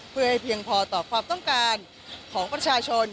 เพื่อให้เพียงพอต่อความต้องการของประชาชน